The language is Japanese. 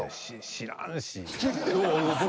知らんし。